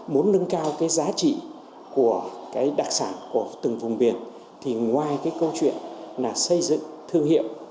muốn nâng cao giá trị của đặc sản của từng vùng biển thì ngoài câu chuyện xây dựng thương hiệu